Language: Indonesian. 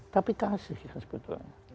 tapi kasih sebetulnya